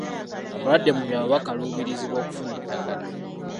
Abalwadde mu byalo bakaluubirizibwa okufuna eddagala.